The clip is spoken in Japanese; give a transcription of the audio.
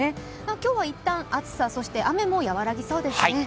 今日は一旦暑さ、そして雨も和らぎそうですね。